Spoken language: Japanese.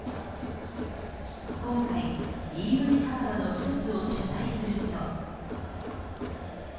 今回、ＥＶ墓場の１つを取材すると。